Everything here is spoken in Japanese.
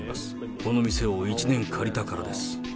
この店を１年借りたからです。